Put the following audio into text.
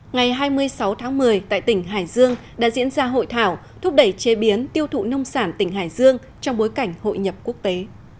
ngày hai mươi sáu tháng một mươi tại tỉnh hải dương đã diễn ra hội thảo thúc đẩy chế biến tiêu thụ nông sản tỉnh hải dương trong bối cảnh hội nhập quốc tế